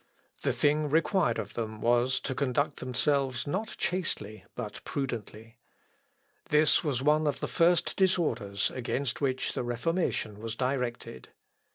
The thing required of them was, to conduct themselves not chastely, but prudently. This was one of the first disorders against which the Reformation was directed.